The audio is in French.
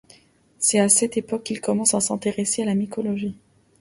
C'est à cette époque qu'il commence à s'intéresser à la mycologie.